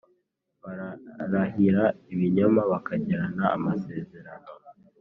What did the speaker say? bararahira ibinyoma, bakagirana amasezerano,